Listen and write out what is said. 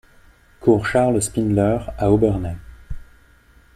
Cour Charles Spindler à Obernai